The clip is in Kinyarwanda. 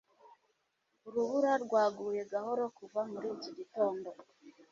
urubura rwaguye gahoro kuva muri iki gitondo